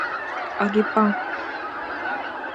揚げパン